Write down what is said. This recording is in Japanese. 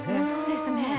そうですね。